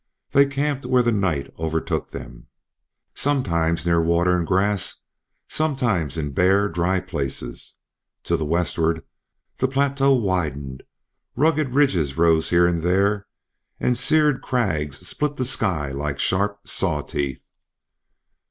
They camped where the night overtook them, sometimes near water and grass, sometimes in bare dry places. To the westward the plateau widened. Rugged ridges rose here and there, and seared crags split the sky like sharp sawteeth.